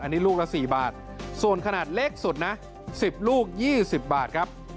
อันนี้ลูกละ๔บาทส่วนขนาดเล็กสุดนะ๑๐ลูก๒๐บาทครับ